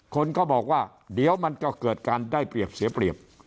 คนก็บอกว่าเดี๋ยวมันก็เกิดการได้เปรียบเสียเปรียบ